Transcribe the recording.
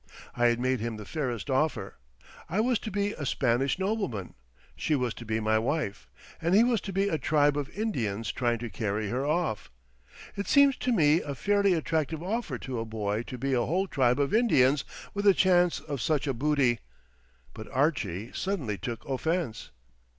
I had made him the fairest offer: I was to be a Spanish nobleman, she was to be my wife, and he was to be a tribe of Indians trying to carry her off. It seems to me a fairly attractive offer to a boy to be a whole tribe of Indians with a chance of such a booty. But Archie suddenly took offence.